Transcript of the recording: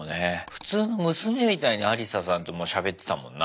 普通の娘みたいにアリサさんともうしゃべってたもんな。